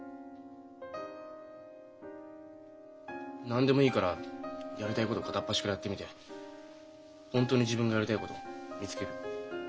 何でもいいからやりたいこと片っ端からやってみて本当に自分がやりたいこと見つける。